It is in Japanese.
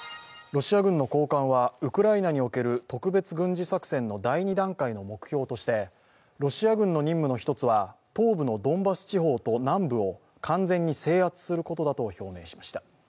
ロシア軍の高官はウクライナにおける特別軍事作戦の第２段階の目標として、ロシア軍の任務の１つは、東部のドンバス地方と南部を完全に制圧することだと表明しました。